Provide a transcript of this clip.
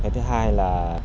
cái thứ hai là tinh thần